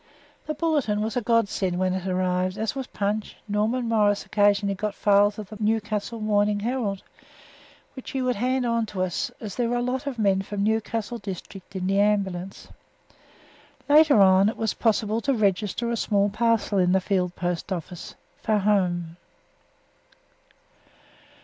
The Bulletin was a God send when it arrived, as was Punch. Norman Morris occasionally got files of the Newcastle Morning Herald, which he would hand on to us, as there were a lot of men from the Newcastle district in the Ambulance. Later on it was possible to register a small parcel in the Field Post Office for home.